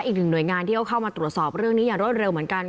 อีกหนึ่งหน่วยงานที่เขาเข้ามาตรวจสอบเรื่องนี้อย่างรวดเร็วเหมือนกัน